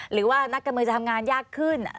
หรือว่านักการเมืองจะทำงานยากขึ้น